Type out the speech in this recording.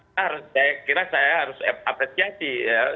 saya kira saya harus apresiasi